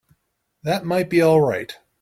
That might be all right.